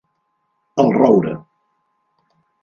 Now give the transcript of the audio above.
El Roure.